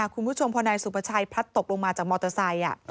คุณผู้ชมพอนายสุประชัยพลัดตกลงมาจากมอเตอร์ไซค์